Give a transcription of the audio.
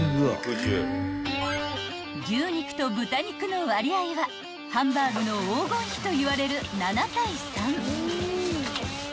［牛肉と豚肉の割合はハンバーグの黄金比といわれる７対３］